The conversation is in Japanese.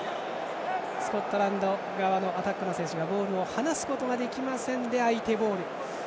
スコットランド側のアタックの選手がボールを離すことができませんで相手ボール。